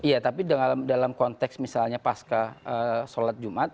iya tapi dalam konteks misalnya pasca sholat jumat